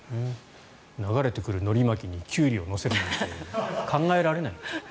流れてくるのり巻きにキュウリを乗せるとか考えられない。